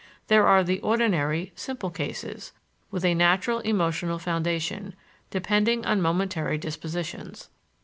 There are the ordinary, simple cases, with a natural, emotional foundation, depending on momentary dispositions.